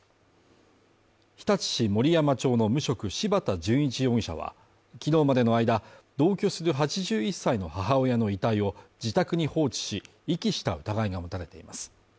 日立市森山町の無職柴田潤一容疑者は、きのうまでの間、同居する８１歳の母親の遺体を自宅に放置し、遺棄した疑いが持たれています。